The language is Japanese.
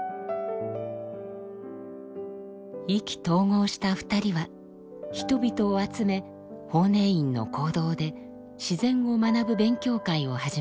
意気投合した２人は人々を集め法然院の講堂で自然を学ぶ勉強会を始めました。